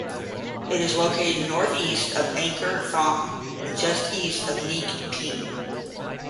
It is located north east of Angkor Thom and just east of Neak Pean.